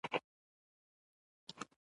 بې ځایه فکر او غم مه کوه.